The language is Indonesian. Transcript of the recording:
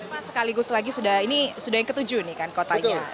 pak sekaligus lagi ini sudah yang ketujuh nih kan kotanya